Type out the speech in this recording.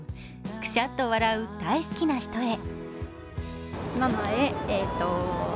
くしゃっと笑う大好きな人へ。